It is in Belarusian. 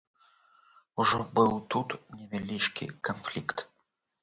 Ужо быў тут невялічкі канфлікт.